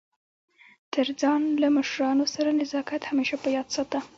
تر ځان له مشرانو سره نزاکت همېشه په یاد ساته!